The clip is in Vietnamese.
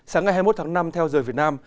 sáng ngày hai mươi một tháng năm theo giờ việt nam